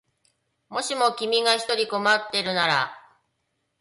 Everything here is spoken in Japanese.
もしも君が一人困ってるなら